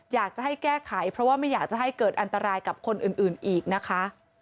อยากจะให้แก้ไขเพราะว่าไม่อยากจะให้เกิดอันตรายกับคนอื่นอีกนะคะ